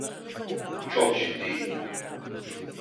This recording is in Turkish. Çok ciddi.